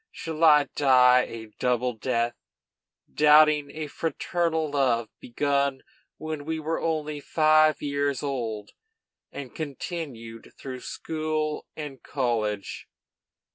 Shall I die a double death, doubting a fraternal love begun when we were only five years old, and continued through school and college?